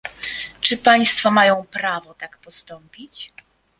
Czy państwa mają prawo tak postąpić?